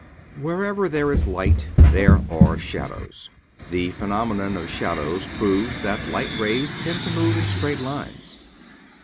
Wherever there is light there are shadows. The phenomenon of shadow proves that light rays tend to move in straight lines.